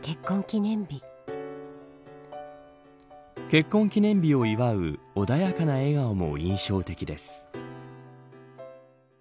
結婚記念日を祝う穏やかな笑顔も印象的です。